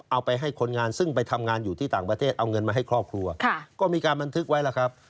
เอาไปให้คนงานซึ่งไปทำงานอยู่ที่ต่างประเทศเอาเงินมาให้ครอบครัวก็มีการบันทึกไว้แล้วครับ